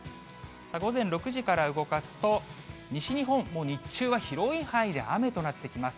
午前６時から動かすと、西日本、日中は広い範囲で雨となってきます。